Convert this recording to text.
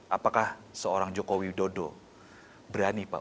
apakah seorang joko widodo berani pak